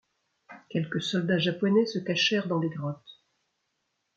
Quelques soldats japonais se cachèrent dans les grottes.